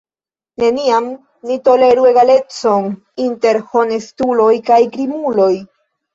Neniam ni toleru egalecon inter honestuloj kaj krimuloj!